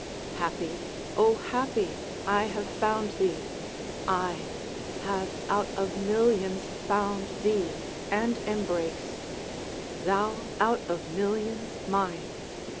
Happy, O happy I have found thee I Have out of millions found thee, and embraced; Thou, out of millions, mine!